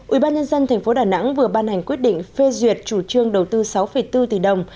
ubnd tp đà nẵng vừa ban hành quyết định phê duyệt chủ trương đầu tư sáu bốn tỷ đồng